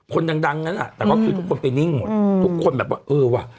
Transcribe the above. คนดังนั้นอ่ะแต่ก็คือทุกคนไปนิ่งหมดทุกคนแบบว่าเออว่ะ